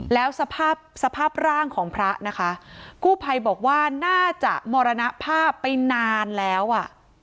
แล้วสภาพสภาพร่างของพระนะคะกู้ภัยบอกว่าน่าจะมรณภาพไปนานแล้วอ่ะ